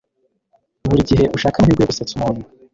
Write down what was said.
buri gihe ushake amahirwe yo gusetsa umuntu